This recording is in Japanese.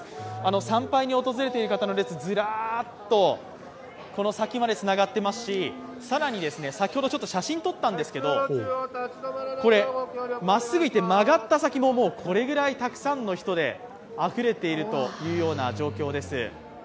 参拝に訪れている方の列、ずらっとこの先でつながっていますし更に先ほど写真を撮ったんですけど、これまっすぐ行って曲がった先も、これぐらいたくさんの人であふれているというような状況です。